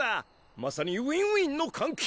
まさにウィンウィンの関係！